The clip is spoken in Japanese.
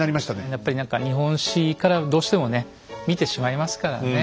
やっぱり何か日本史からどうしてもね見てしまいますからね。